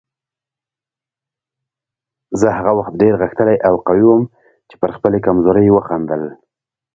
زه هغه وخت ډېر غښتلی او قوي وم چې پر خپلې کمزورۍ وخندل.